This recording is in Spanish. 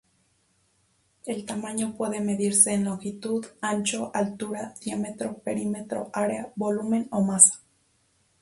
El tamaño puede medirse en longitud, ancho, altura, diámetro, perímetro, área, volumen o masa.